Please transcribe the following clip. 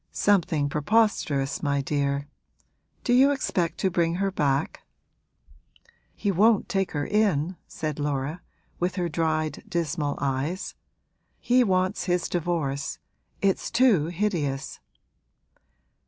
'Something preposterous, my dear. Do you expect to bring her back?' 'He won't take her in,' said Laura, with her dried, dismal eyes. 'He wants his divorce it's too hideous!'